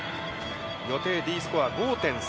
予定Ｄスコア５．３。